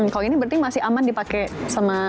kalau ini berarti masih aman dipakai sama